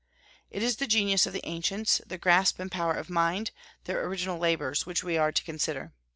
It is the genius of the ancients, their grasp and power of mind, their original labors, which we are to consider.